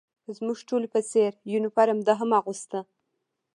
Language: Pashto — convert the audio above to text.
زموږ ټولو په څېر یونیفورم ده هم اغوسته.